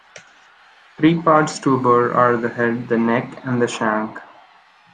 The three parts to a burr are the head, the neck, and the shank.